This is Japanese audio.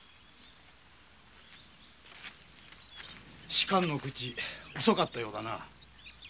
仕官の口遅かったようだな？